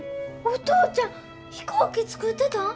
お父ちゃん飛行機作ってたん！？